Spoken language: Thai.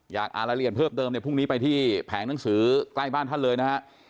อยากอ่านรายละเอียดเพิ่มเติมเนี่ยพรุ่งนี้ไปที่แผงหนังสือใกล้บ้านท่านเลยนะฮะ